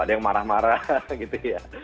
ada yang marah marah gitu ya